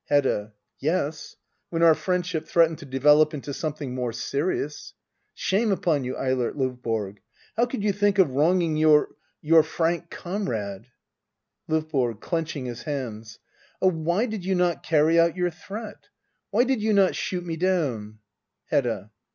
Hedda. Yes, when our friendship threatened to develop into something more serious. Shame upon you, Eilert Lovborg ! How could you think of wrong ing your — ^your frank comrade } L&VBORO. [Clenching his hands,] Oh, why did you not carry out your threat ? Why did you not shoot me down } Hedda.